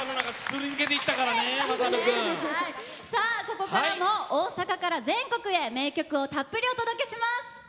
さあ、ここからも大阪から全国へ名曲をたっぷりお届けします。